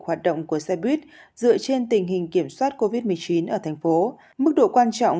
hoạt động của xe buýt dựa trên tình hình kiểm soát covid một mươi chín ở thành phố mức độ quan trọng